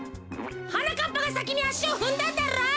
はなかっぱがさきにあしをふんだんだろう！